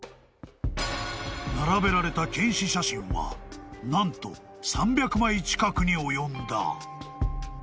［並べられた検視写真は何と３００枚近くに及んだ］